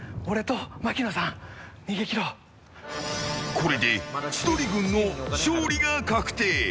これで千鳥軍の勝利が確定。